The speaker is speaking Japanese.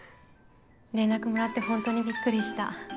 連絡もらって本当にびっくりした。